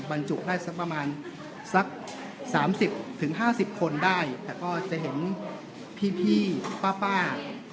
บรรจุได้สักประมาณสักสามสิบถึงห้าสิบคนได้แต่ก็จะเห็นพี่พี่ป้าป้า